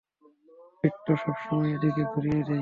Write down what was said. বিট্টো সবসময় এদিক ঘুরিয়ে দেয়।